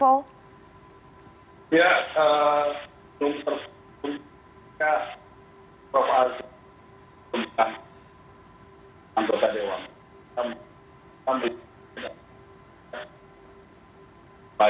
ya belum terbuka prof azra tentang anggota dewan